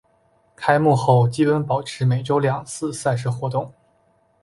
开幕后基本保持每周两次赛事活动。